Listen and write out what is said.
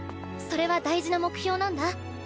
それは大事な目標なんだ。